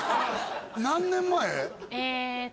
何年前？